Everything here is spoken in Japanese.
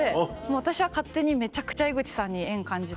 私は勝手にめちゃくちゃ江口さんに縁感じてて。